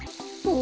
お？